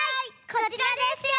こちらですよ。